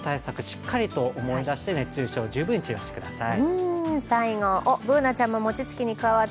しっかりと思い出して熱中症十分に注意してください。